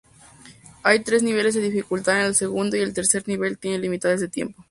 Hay tres niveles de dificultad, el segundo y tercer nivel tienen límites de tiempo.